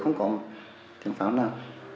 không có tiếng pháo nào